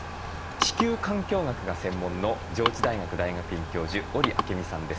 地球環境学が専門の上智大学大学院教授織朱實さんです。